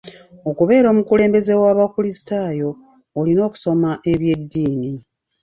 Okubeera omukulembeze w'abakulisitaayo olina okusoma ebyeddiini.